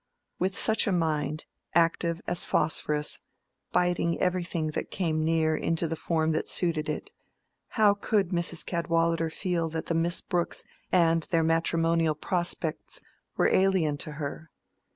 With such a mind, active as phosphorus, biting everything that came near into the form that suited it, how could Mrs. Cadwallader feel that the Miss Brookes and their matrimonial prospects were alien to her?